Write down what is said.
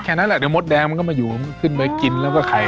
เอาทำยังไง